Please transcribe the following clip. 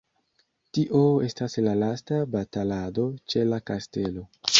Tio estas la lasta batalado ĉe la kastelo.